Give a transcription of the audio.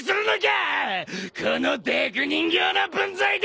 この木偶人形の分際で！